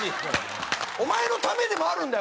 お前のためでもあるんだよ